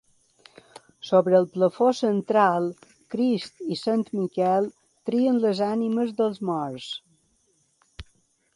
Sobre el plafó central, Crist i sant Miquel trien les ànimes dels morts.